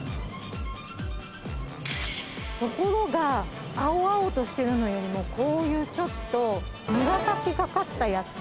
ところが青々としてるのよりもこういうちょっと紫がかったやつ。